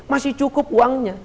masih cukup uangnya